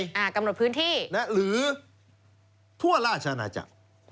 ครอบครองอาจารย์กำหนดพื้นที่หรือทั่วราชนาฬิกา